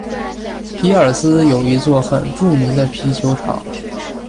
皮尔斯有一座很著名的啤酒厂。